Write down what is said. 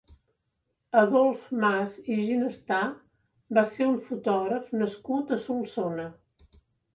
Adolf Mas i Ginestà va ser un fotògraf nascut a Solsona.